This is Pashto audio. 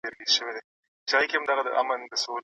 لویه جرګه کله د اساسي قانون له پاره جوړه سوه؟